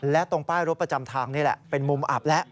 และตรงป้ายรถประจำทางนี่แหละเป็นมุมอับแล้ว